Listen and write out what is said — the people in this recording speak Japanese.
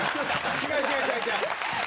違う違う違う。